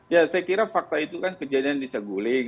ya saya kira fakta itu kan kejadian di saguling